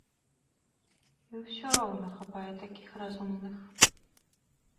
І усё роўна хапае такіх разумных.